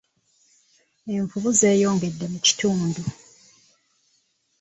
Envubu zeeyongedde mu kitundu.